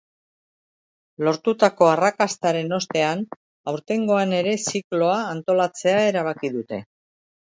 Lortutako arrakastaren ostean, aurtengoan ere zikloa antolatzea erabaki dute.